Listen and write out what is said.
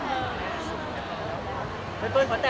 เอาเรื่องต่อไป